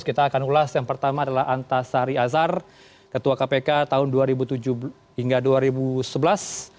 kita akan ulas yang pertama adalah antasari azhar ketua kpk tahun dua ribu tujuh hingga dua ribu sebelas